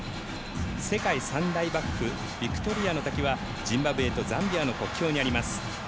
世界三大瀑布、ビクトリアの滝はジンバブエとザンビアの国境にあります。